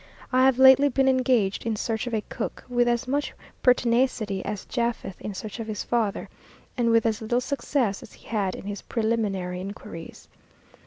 I have lately been engaged in search of a cook, with as much pertinacity as Japhet in search of his father, and with as little success as he had in his preliminary inquiries.